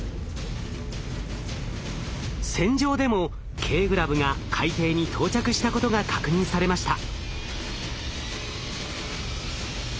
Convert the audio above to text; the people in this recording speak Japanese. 船上でもＫグラブが海底に到着したことが確認されました。